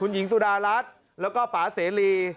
หญิงสุดารัฐแล้วก็ป่าเสรี